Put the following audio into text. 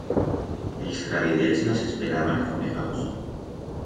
Els crabidets las esperaban afamegaus.